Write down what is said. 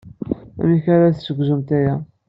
Amek ara d-tessegzumt aya?